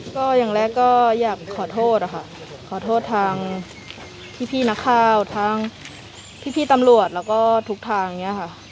ก็อย่างแรกก็อยากขอโทษค่ะขอโทษทางพี่นักข่าวทางพี่ตำรวจแล้วก็ทุกทางอย่างนี้ค่ะ